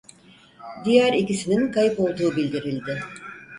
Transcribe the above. Diğer ikisinin kayıp olduğu bildirildi.